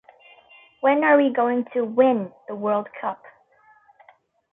When are we going to "win" the World Cup?